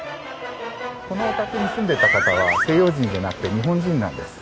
このお宅に住んでた方は西洋人じゃなくて日本人なんです。